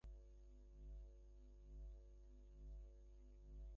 তোমার ভয়কে জয় করতে হবে, নাহলে ভয় তোমাকে গ্রাস করে ফেলবে।